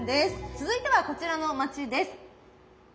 続いてはこちらの町です。